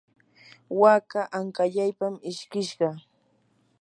waka ankallaypam ishkishqa.